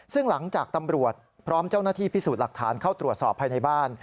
ซึ่งหลังจากตำรวจพร้อมเจ้าหน้าที่พิสูจน์หลักฐานเข้าตรวจสอบภายในบ้าน